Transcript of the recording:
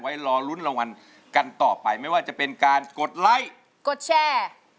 รอลุ้นรางวัลกันต่อไปไม่ว่าจะเป็นการกดไลค์กดแชร์